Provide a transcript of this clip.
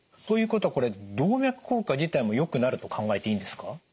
ということはこれ動脈硬化自体もよくなると考えていいんですか？